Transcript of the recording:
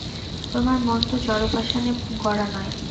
তোমার মন তো জড় পাষাণে গড়া নয়।